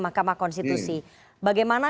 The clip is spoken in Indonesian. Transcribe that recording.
makamah konstitusi bagaimana